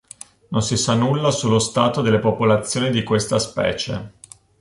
Non si sa nulla sullo stato delle popolazioni di questa specie.